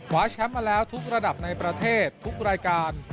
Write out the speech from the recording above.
แชมป์มาแล้วทุกระดับในประเทศทุกรายการ